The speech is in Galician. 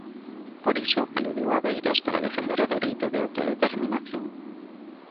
Por iso, aludiu a Beiras para defender o dereito de autodeterminación.